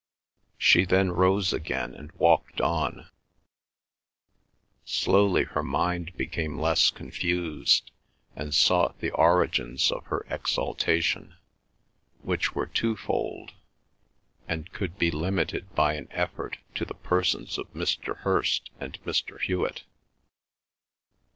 She then rose again and walked on. Slowly her mind became less confused and sought the origins of her exaltation, which were twofold and could be limited by an effort to the persons of Mr. Hirst and Mr. Hewet.